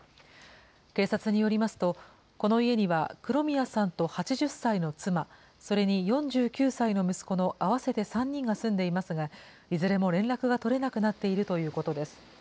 警察によりますと、この家には黒宮さんと８０歳の妻、それに４９歳の息子の合わせて３人が住んでいますが、いずれも連絡が取れなくなっているということです。